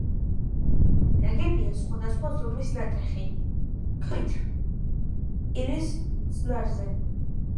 ნაგებია სხვადასხვა ზომის ნატეხი ქვით, კირის ხსნარზე.